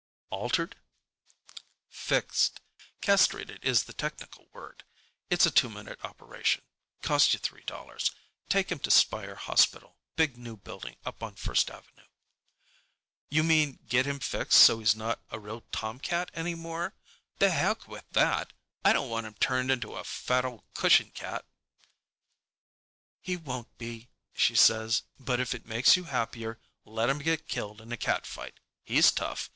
"Altered?" "Fixed. Castrated is the technical word. It's a two minute operation. Cost you three dollars. Take him to Speyer Hospital—big new building up on First Avenue." "You mean get him fixed so he's not a real tomcat any more? The heck with that! I don't want him turned into a fat old cushion cat!" "He won't be," she says. "But if it makes you happier, let him get killed in a cat fight. He's tough.